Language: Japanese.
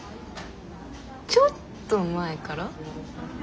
ちょっと前から。